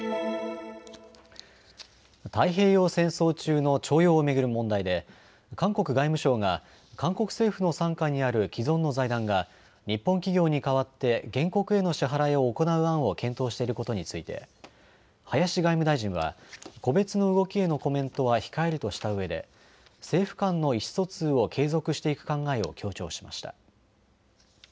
太平洋戦争中の徴用を巡る問題で韓国外務省が韓国政府の傘下にある既存の財団が日本企業に代わって原告への支払いを行う案を検討していることについて林外務大臣は個別の動きへのコメントは控えるとしたうえで政府間の意思疎通を継続していく考えを強調しました。